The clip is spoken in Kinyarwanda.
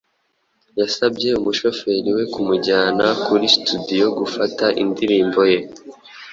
yasabye umushoferi we kumujyana kuri studiyo gufata indirimbo ye